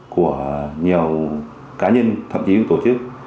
của nhiều cá nhân thậm chí tổ chức